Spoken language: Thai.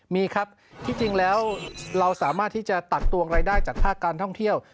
มีครับที่จริงแล้วเราสามารถที่จะตักตวงรายได้จากภาคการท่องเที่ยว